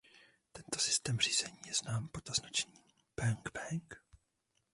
Tento systém řízení je znám pod označením „bang bang“.